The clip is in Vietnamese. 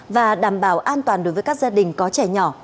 và đảm bảo an toàn đối với các gia đình có trẻ nhỏ